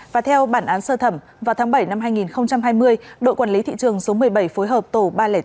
và theo bản án sơ thẩm vào tháng bảy năm hai nghìn hai mươi đội quản lý thị trường số một mươi bảy phối hợp tổ ba trăm linh tám